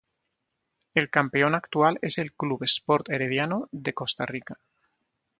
El campeón actual es el Club Sport Herediano de Costa Rica.